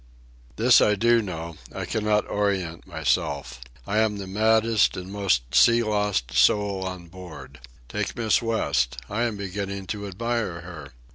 This I do know: I cannot orient myself. I am the maddest and most sea lost soul on board. Take Miss West. I am beginning to admire her.